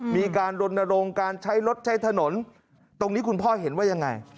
มีการรณรงค์การใช้รถใช้ถนนตรงนี้คุณพ่อเห็นว่ายังไง